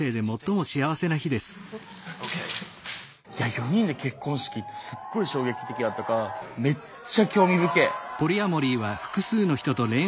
４人で結婚式ってすっごい衝撃的やったからはいカット！